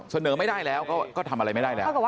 เสนอไม่ได้แล้วก็ทำอะไรไม่ได้แล้ว